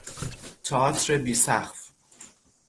تئاتر بی سقف